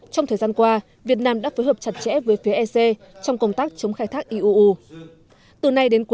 trong thời gian qua việt nam đã phối hợp chặt chẽ với phía ec trong công tác chống khai thác iuu